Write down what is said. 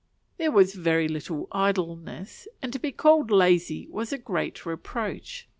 There was very little idleness; and to be called "lazy" was a great reproach.